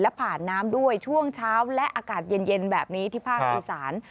และผ่านน้ำด้วยช่วงเช้าและอากาศเย็นแบบนี้ที่ภาคอีสาน